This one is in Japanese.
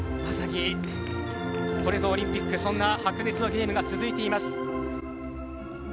これぞオリンピックそんな白熱のゲームが続きます。